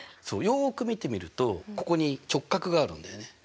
そうよく見てみるとここに直角があるんだよね。